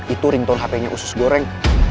itu ringtone hapenya usus goreng